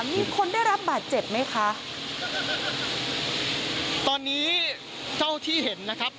มีคนได้รับบาดเจ็บไหมคะตอนนี้เท่าที่เห็นนะครับ